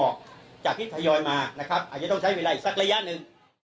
ขึ้นไปสักระยะนึง